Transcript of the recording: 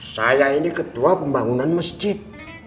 saya ini ketua pembangunan masjid